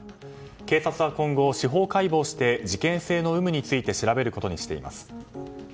警察は今後、司法解剖をして事件性の有無について調べることにしています。